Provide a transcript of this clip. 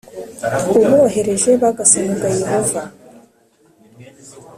ubohereje bagasengag Yehova